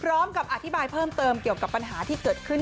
พร้อมกับอธิบายเพิ่มเติมเกี่ยวกับปัญหาที่เกิดขึ้น